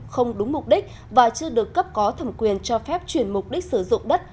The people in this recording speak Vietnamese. không đúng mục đích và chưa được cấp có thẩm quyền cho phép chuyển mục đích sử dụng đất